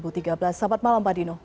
selamat malam pak dino